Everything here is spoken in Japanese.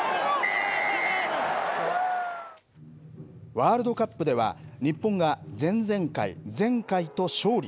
ワールドカップでは日本が前々回前回と勝利。